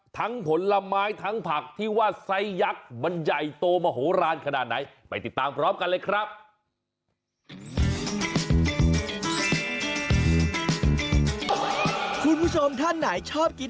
ทั้งผลไม้ทั้งผักที่ว่าไส้ยักษ์มันใหญ่โตมาโหลร้านขนาดไหน